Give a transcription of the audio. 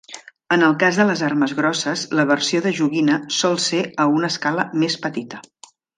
En el cas de les armes grosses, la versió de joguina sol ser a una escala més petita.